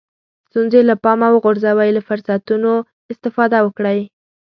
ستونزې له پامه وغورځوئ له فرصتونو استفاده وکړئ.